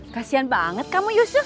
kasian banget kamu yusuf